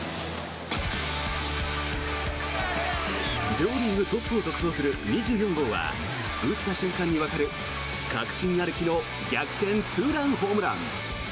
両リーグトップを独走する２４号は打った瞬間にわかる、確信歩きの逆転ツーランホームラン。